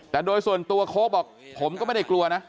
แต่โดยส่วนตัวโค้กบอกผมก็ไม่ได้กลัวนะ